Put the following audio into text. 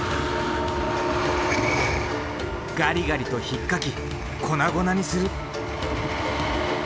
ガリガリとひっかき粉々にする。